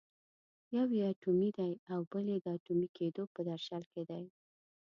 یو یې اټومي دی او بل یې د اټومي کېدو په درشل کې دی.